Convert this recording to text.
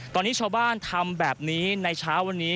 ตอนนี้ชาวบ้านทำแบบนี้ในเช้าวันนี้